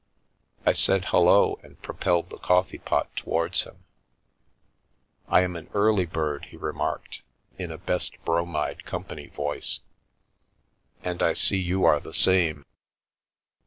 I said " Hullo/' and propelled the coffee pot towards him. " I am an early bird," he remarked, in a best bromide company voice, " and I see you are the same."